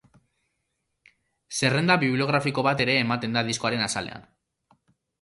Zerrenda bibliografiko bat ere ematen da diskoaren azalean.